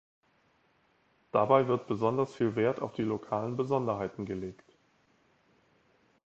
Dabei wird besonders viel Wert auf die lokalen Besonderheiten gelegt.